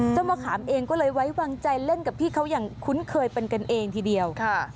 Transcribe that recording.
มะขามเองก็เลยไว้วางใจเล่นกับพี่เขาอย่างคุ้นเคยเป็นกันเองทีเดียว